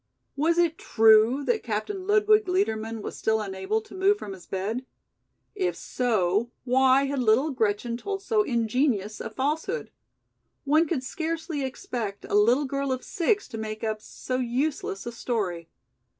Was it true that Captain Ludwig Liedermann was still unable to move from his bed? If so why had little Gretchen told so ingenious a falsehood? One would scarcely expect a little girl of six to make up so useless a story.